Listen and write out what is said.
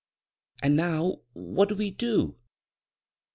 " Aad now what do we do